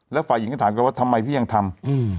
แล้วฝ่ายหญิงก็ถามกันว่าทำไมพี่ยังทำ